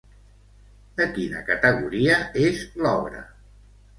De quina categoria és l'obra?